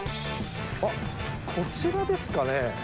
あっこちらですかね？